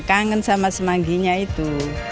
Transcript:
kangen sama semangginya itu